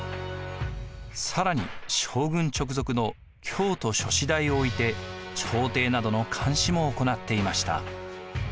更に将軍直属の京都所司代を置いて朝廷などの監視も行っていました。